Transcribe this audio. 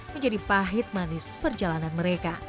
menjadi pahit manis perjalanan mereka